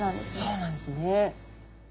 そうなんですよね。